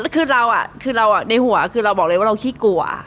คือเราคือเราในหัวคือเราบอกเลยว่าเราขี้กลัว